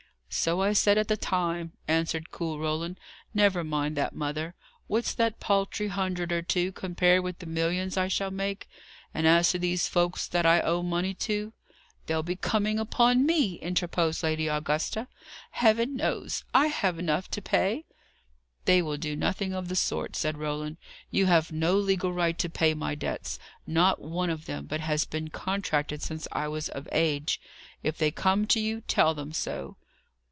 "So I said at the time," answered cool Roland. "Never mind that, mother. What's that paltry hundred or two, compared with the millions I shall make? And as to these folks that I owe money to " "They'll be coming upon me," interposed Lady Augusta. "Heaven knows, I have enough to pay." "They will do nothing of the sort," said Roland. "You have no legal right to pay my debts. Not one of them but has been contracted since I was of age. If they come to you, tell them so."